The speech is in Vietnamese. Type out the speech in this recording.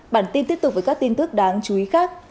bản tin tiếp tục với các tin tức đáng chú ý khác